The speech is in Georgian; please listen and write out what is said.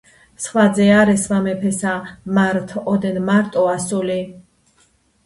სხვა ძე არ ესვა მეფესა, მართ ოდენ მარტო ასული